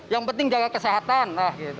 yang penting jaga kesehatan lah gitu